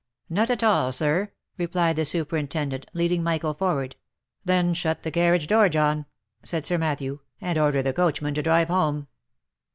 " Not at all, sir," replied the superintendent, leading Michael forward. " Then shut the carriage door, John," said Sir Matthew, " and order the coachman to drive home."